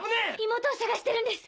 妹を捜してるんです！